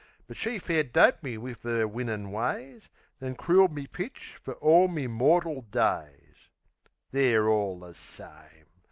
But she fair doped me wiv 'er winnin' ways, Then crooled me pitch fer all me mortal days. They're all the same!